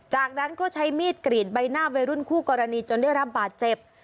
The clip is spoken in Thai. จากนั้นก็ใช้มีดกรีดใบหน้าวัยรุ่นคู่กรณีจนได้รับบาดเจ็บ